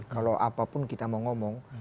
kalau apapun kita mau ngomong